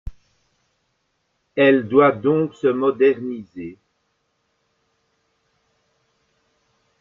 Elle doit donc se moderniser.